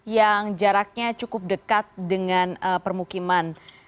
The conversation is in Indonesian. yang jaraknya cukup dekat dengan permukiman